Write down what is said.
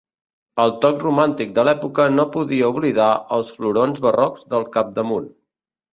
El toc romàntic de l'època no podia oblidar els florons barrocs del capdamunt.